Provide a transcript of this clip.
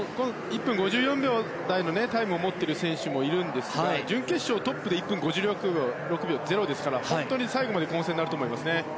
１分５４秒台のタイムを持っている選手もいるんですが、準決勝トップで１分５６秒０ですから本当に最後まで混戦になると思います。